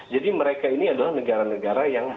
jadi mereka ini adalah negara negara yang